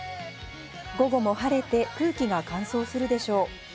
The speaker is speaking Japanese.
午後も晴れて空気が乾燥するでしょう。